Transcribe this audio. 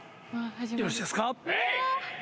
よろしいですか？